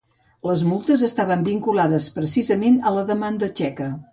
Les multes, estaven vinculades, precisament, a la demanda txeca.